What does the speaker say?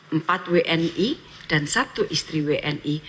empat wni dan satu istri wni